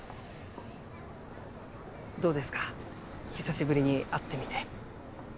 どうですか久しぶりに会ってみて。